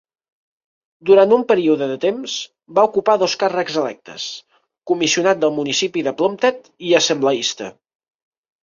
Durant un període de temps, va ocupar dos càrrecs electes: Comissionat del Municipi de Plumted i Assembleista.